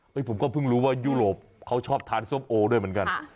ผมก็เพิ่งรู้ว่ายุโรปเขาชอบทานส้มโอด้วยเหมือนกัน